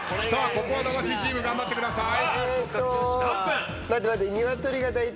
ここは魂チーム頑張ってください。